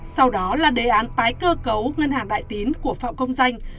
sau đó là đề án tái cơ cấu ngân hàng đại tín của phạm công danh